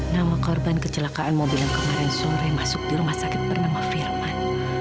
nama korban kecelakaan mobil yang kemarin sore masuk di rumah sakit bernama firman